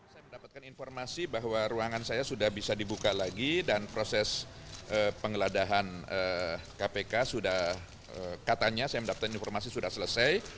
saya mendapatkan informasi bahwa ruangan saya sudah bisa dibuka lagi dan proses penggeladahan kpk sudah katanya saya mendapatkan informasi sudah selesai